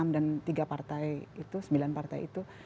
enam dan tiga partai itu sembilan partai itu